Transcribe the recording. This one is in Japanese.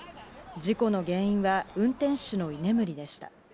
事故の原因は運転手の居眠りでした。